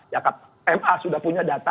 ya ma sudah punya data